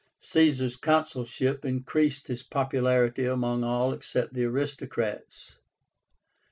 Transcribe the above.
Caesar's consulship increased his popularity among all except the aristocrats.